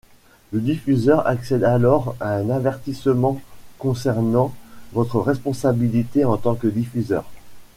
Le diffuseur accède alors à un avertissement concernant votre responsabilités en tant que diffuseur.